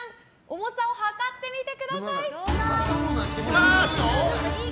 重さを量ってみてください。